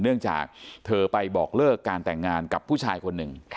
เนื่องจากเธอไปบอกเลิกการแต่งงานกับผู้ชายคนหนึ่ง